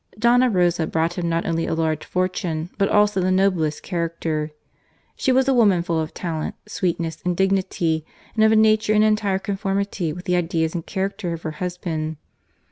Dofla Rosa brought him not only a large fortune, but the noblest character. She was a woman full of talent, sweetness, and dignity, and of a nature in entire conformity with the ideas and character of her husband.